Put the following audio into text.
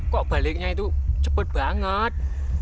kok baliknya itu cepat banget